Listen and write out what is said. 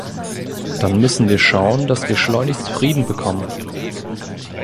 Dann müssen wir schauen, dass wir schleunigst Frieden bekommen.